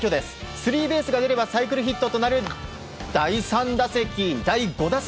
スリーベースが出ればサイクルヒットとなる第５打席。